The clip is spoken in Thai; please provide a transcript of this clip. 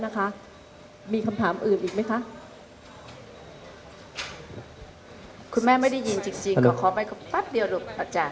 คำถามอื่นค่ะเชิญค่ะ